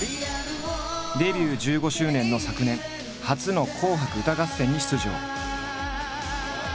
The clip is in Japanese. デビュー１５周年の昨年初の「紅白歌合戦」に出場。